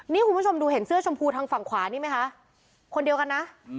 นี่คุณผู้ชมดูเห็นเสื้อชมพูทางฝั่งขวานี่ไหมคะคนเดียวกันนะ